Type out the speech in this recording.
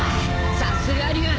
さすが龍。